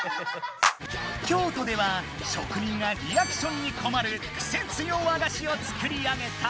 京都ではしょくにんがリアクションにこまるクセつよ和菓子を作り上げた！